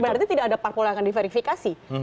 berarti tidak ada parpol yang akan diverifikasi